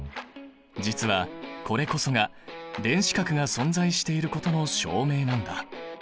実はこれこそが電子殻が存在していることの証明なんだ。